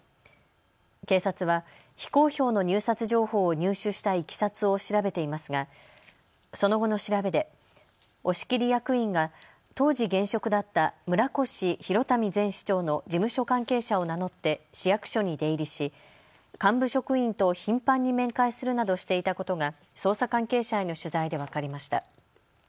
警察は非公表の入札情報を入手したいきさつを調べていますがその後の調べで押切役員が当時現職だった村越祐民前市長の事務所関係者を名乗って市役所に出入りし幹部職員と頻繁に面会するなどしていたことが捜査関係者への取材で分かりました。